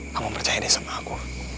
kamu percaya deh sama aku